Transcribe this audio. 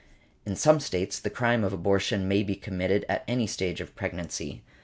In some States the crime of abortion may be committed at any stage of pregnancy .